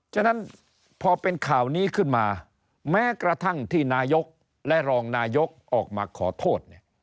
ฉะนั้นพอเป็นข่าวนี้ขึ้นมาแม้กระทั่งที่นายกและรองนายกออกมาขอโทษ